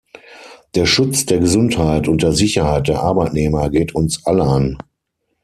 Der Schutz der Gesundheit und der Sicherheit der Arbeitnehmer geht uns alle an.